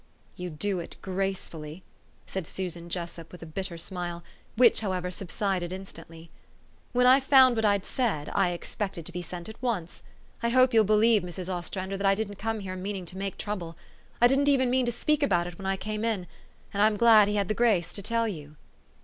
"You do it gracefully," said Susan Jessup with a bitter smile, which, however, subsided instantly. "When I found what I'd said, I expected to be sent at once. I hope you'll believe, Mrs. Ostrander, that I didn't come here meaning to make trouble. I didn't even mean to speak about it when I came in ; and I'm glad he had the grace to tell you."